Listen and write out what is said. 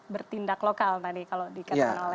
bertindak lokal tadi kalau dikatakan oleh